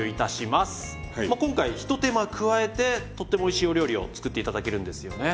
まあ今回一手間加えてとってもおいしいお料理を作って頂けるんですよね？